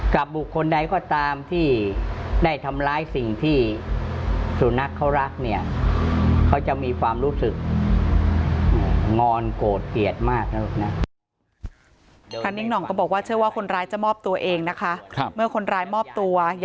กับบุคคลใดก็ตามที่ได้ทำร้ายสิ่งที่สูรนักษณ์เขารักเนี่ย